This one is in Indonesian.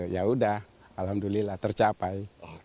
ya udah alhamdulillah tercapai